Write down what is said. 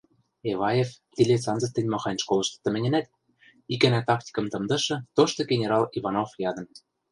— Эваев, тилец анзыц тӹнь махань школышты тыменьӹнӓт? — икӓнӓ тактикӹм тымдышы тошты генерал Иванов ядын.